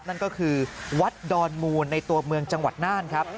นั่นก็คือวัดดอนมูลในตัวเมืองจังหวัดน่านครับ